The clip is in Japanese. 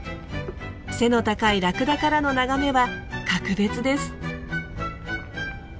背の高いラクダからの眺めは格別です。